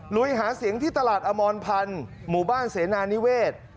ลุยหาเสียงที่ตลาดอมรพันธ์หมู่บ้านเสนานิเวศ